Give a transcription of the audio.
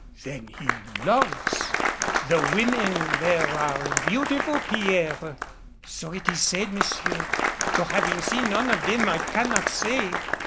"Then he loves? The women there are beautiful, Pierre?" "So it is said, monsieur; though having seen none of them, I cannot say.